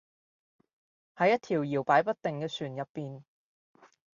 喺一條搖擺不定嘅船入邊